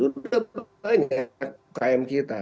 sudah banyak ukm kita